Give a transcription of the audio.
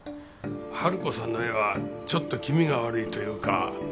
春子さんの絵はちょっと気味が悪いというか。